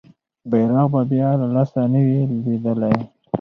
بیرغ به بیا له لاسه نه وي لویدلی.